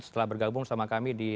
setelah bergabung sama kami di